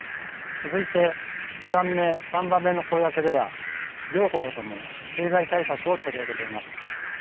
続いて２番目３番目の公約では両候補とも経済対策を取り上げています。